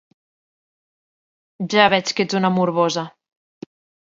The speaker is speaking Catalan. Ja veig que ets una morbosa.